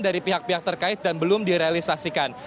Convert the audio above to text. dari pihak pihak terkait dan belum direalisasikan